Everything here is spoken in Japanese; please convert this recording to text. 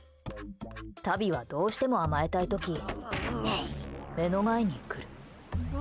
タビは、どうしても甘えたい時目の前に来る。